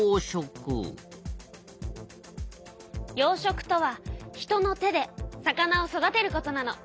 養殖とは人の手で魚を育てることなの。